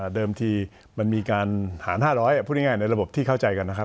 ทีมันมีการหาร๕๐๐พูดง่ายในระบบที่เข้าใจกันนะครับ